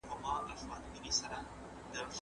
د نصیب کلمه زموږ په کلتور کې ډېره کارول کېږي.